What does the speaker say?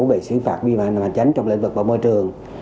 bị xử phạt vi phạm hành tránh trong lĩnh vực bảo môi trường